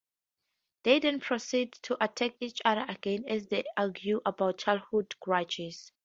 They then proceed to attack each other again, as they argue about childhood grudges.